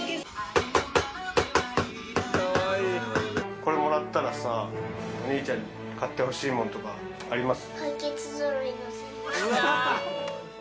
これもらったらさお兄ちゃんに買ってほしいもんとかあります？